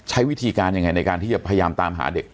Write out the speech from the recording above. ใช้วิธีการยังไงในการที่จะพยายามตามหาเด็ก